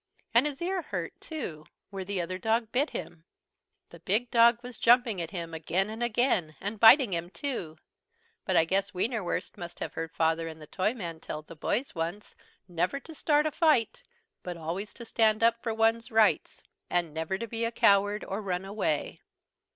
And his ear hurt too, where the other dog bit him. The big dog was jumping at him again and again and biting him too, but I guess Wienerwurst must have heard Father and the Toyman tell the boys once never to start a fight, but always to stand up for one's rights, and never to be a coward, or run away.